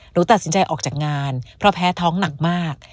หนูตัดสินใจออกจากงานเพราะแพ้ท้องหนักมาก